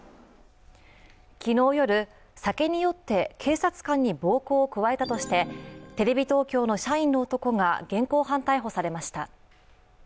昨日夜、酒に酔って警察官に暴行を加えたとしてテレビ東京の社員の男が現行犯逮捕されました。